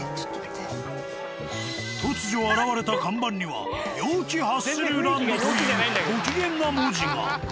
突如現れた看板には「陽気ハッスルランド」というご機嫌な文字が。